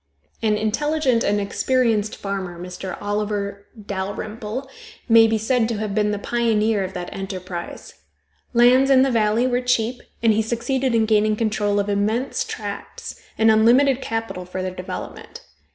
An intelligent and experienced farmer, Mr. Oliver Dalrymple, may be said to have been the pioneer of that enterprise. Lands in the valley were cheap, and he succeeded in gaining control of immense tracts, and unlimited capital for their development.